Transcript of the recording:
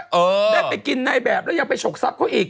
ได้ไปกินในแบบแล้วยังไปฉกทรัพย์เขาอีก